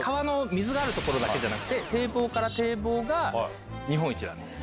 水がある所だけじゃなくて堤防から堤防が日本一なんです。